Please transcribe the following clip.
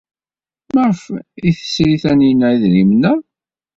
Maɣef ay tesri Taninna idrimen-a?